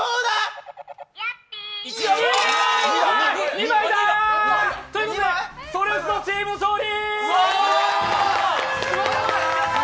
２枚だー！ということで、「それスノ」チーム勝利！